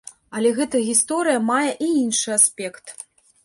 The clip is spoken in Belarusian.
Але гэта гісторыя мае і іншы аспект.